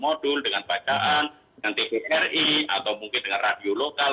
modul dengan bacaan dengan tvri atau mungkin dengan radio lokal